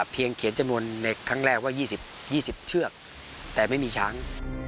เขียนจำนวนในครั้งแรกว่า๒๐เชือกแต่ไม่มีช้าง